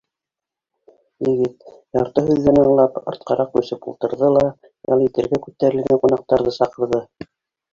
Егет, ярты һүҙҙән аңлап, артҡараҡ күсеп ултырҙы ла ял итергә күтәрелгән ҡунаҡтарҙы саҡырҙы: